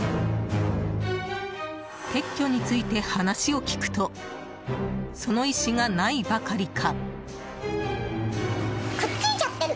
撤去について話を聞くとその意思がないばかりか。